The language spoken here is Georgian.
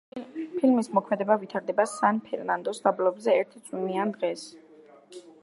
ფილმის მოქმედება ვითარდება სან-ფერნანდოს დაბლობზე, ერთ წვიმიან დღეს.